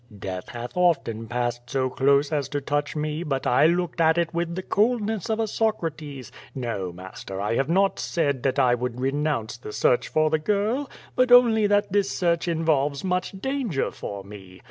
"Death hath often passed so close as to touch me, but I looked at it with the coldness of a Socrates. N"o, master, I have not said that I would renounce the search for the girl, but only that this search involves much danger for me.